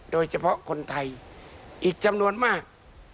โดยเฉพาะคนไทยอีกจำนวนมาก